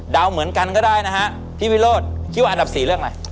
เหมือนกันก็ได้นะฮะพี่วิโรธคิดว่าอันดับสี่เรื่องอะไร